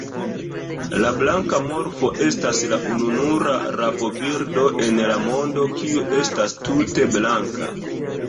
La blanka morfo estas la ununura rabobirdo en la mondo kiu estas tute blanka.